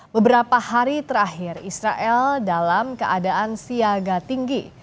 beberapa hari terakhir israel dalam keadaan siaga tinggi